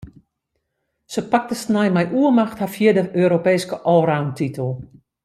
Se pakte snein mei oermacht har fjirde Europeeske allroundtitel.